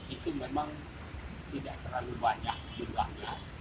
itu memang tidak terlalu banyak jumlahnya